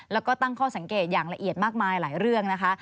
แล้วก็ตั้งข้อสังเกตอย่างละเอียดมากมายหลายเรื่องนะคะ